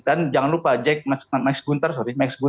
dan jangan lupa max gunter itu